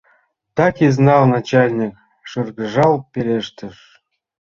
— Так и знал! — начальник шыргыжал пелештыш.